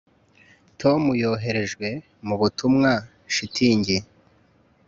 Tom yoherejwe mu butumwa shitingi